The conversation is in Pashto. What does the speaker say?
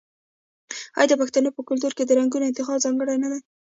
آیا د پښتنو په کلتور کې د رنګونو انتخاب ځانګړی نه دی؟